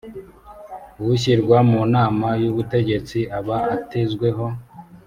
ushyirwa mu nama y ubutegetsi aba atezweho